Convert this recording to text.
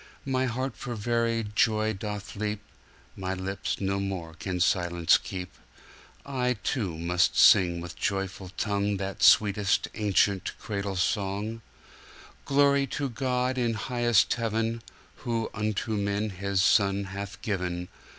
My heart for very joy doth leap, My lips no more can silence keep;I too must sing with joyful tongueThat sweetest ancient cradle song—Glory to God in highest Heaven, Who unto man His Son hath given!